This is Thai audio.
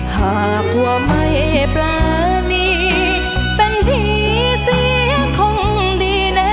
หากผัวไม่ปรานีเป็นผีเสียคงดีแน่